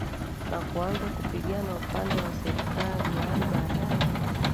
na kuanza kupigana upande wa serikali yaani baadae